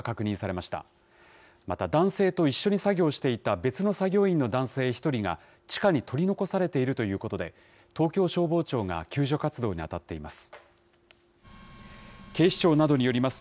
また、男性と一緒に作業していた別の作業員の男性１人が地下に取り残されているということで、東京消防庁が救助活動に当たっています。